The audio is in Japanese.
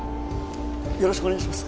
よろしくお願いします